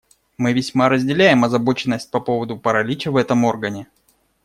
Мы весьма разделяем озабоченность по поводу паралича в этом органе.